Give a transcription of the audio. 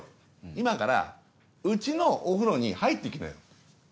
今から家のお風呂に入って来なよ。